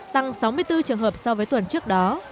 tăng sáu mươi bốn trường hợp so với tuần trước đó